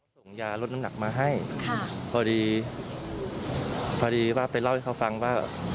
ส่งยาลดน้ำหนักมาให้ค่ะพอดีพอดีว่าไปเล่าให้เขาฟังว่า